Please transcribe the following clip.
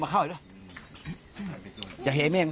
พระต่ายสวดมนต์